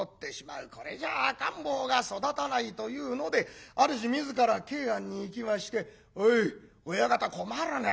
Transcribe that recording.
これじゃ赤ん坊が育たないというので主自ら桂庵に行きまして「おい親方困るね。